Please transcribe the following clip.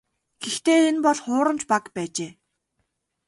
Гэхдээ энэ бол хуурамч баг байжээ.